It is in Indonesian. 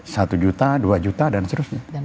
satu juta dua juta dan seterusnya